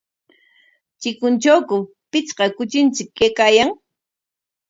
¿Chikuntrawku pichqa kuchinchik kaykaayan?